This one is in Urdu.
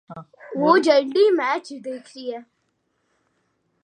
وہ جلدی میچ دیکھ رہی ہے۔